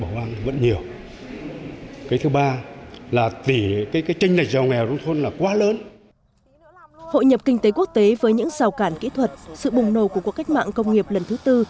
hội nhập kinh tế quốc tế với những rào cản kỹ thuật sự bùng nổ của cuộc cách mạng công nghiệp lần thứ tư